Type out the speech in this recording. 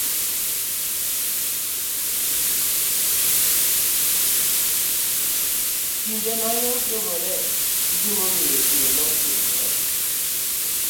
kinde ma ne otimorene, gi gimomiyo gino notimore.